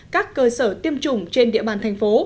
các cơ sở tiêm chủng trên địa bàn thành phố